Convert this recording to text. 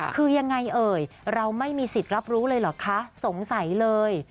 คือยังไงเอ่ยเราไม่มีสิทธิ์รับรู้เลยเหรอคะสงสัยเลย